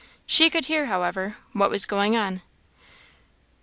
She could hear, however, what was going on.